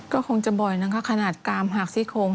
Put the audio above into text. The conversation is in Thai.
ก็คงจะบ่อยนะคะขนาดกามหักซี่โครง